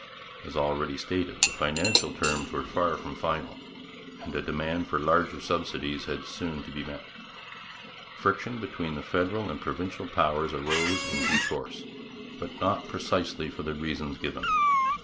As already stated, the financial terms were far from final, and a demand for larger subsidies had soon to be met. Friction between the federal and provincial powers arose in due course, but not precisely for the reasons given.